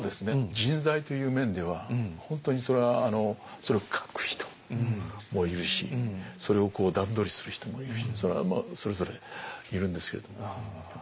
人材という面では本当にそれはそれを書く人もいるしそれをこう段取りする人もいるしそれはそれぞれいるんですけれども。